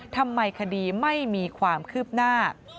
ทำไมคดีไม่มีความคืบหน้า